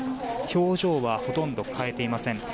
表情はほとんど変えていません。